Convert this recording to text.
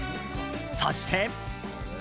そして。